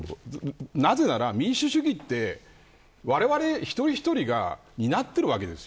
なぜなら、民主主義はわれわれ一人一人が担っているわけです。